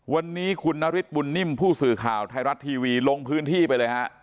วันนี้คุณนฤทธบุญนิ่มผู้สื่อข่าวไทยรัฐทีวีลงพื้นที่ไปเลยฮะ